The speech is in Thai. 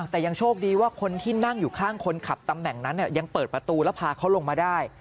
แต่ยังโชคดีว่าคนที่นั่งอยู่ข้างคนขับตำแหน่งนั้นยังเปิดประตูแล้วพาเขาลงมาได้